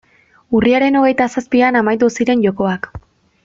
Urriaren hogeita zazpian amaitu ziren jokoak.